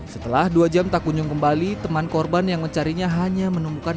setelah dua jam tak kunjung kembali teman korban yang mencarinya hanya menemukan